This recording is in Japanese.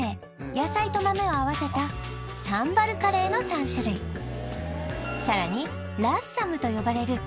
野菜と豆を合わせたサンバルカレーの３種類さらにラッサムと呼ばれるトマトスープと